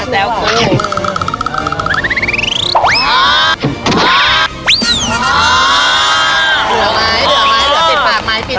เหลือมั้ยติดปากไม้เฟอร์